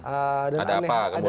ada apa kemudian